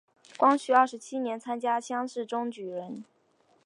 光绪二十七年参加乡试中举人。